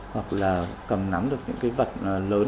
hoặc là cầm nắm được những cái vật lớn